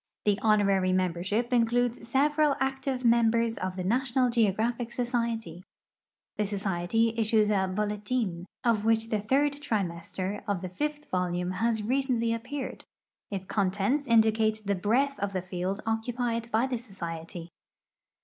The honorary membership includesseveral active mem bers of the National Geographic Society. The society issues a " holetin " of which the third trimester of the fifth volume has recently appeared ; its contents indicate the Ijreadth of the field occupied hy the so(4ety.